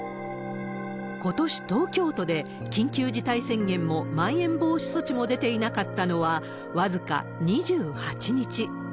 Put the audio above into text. ことし、東京都で緊急事態宣言もまん延防止措置も出ていなかったのは、僅か２８日。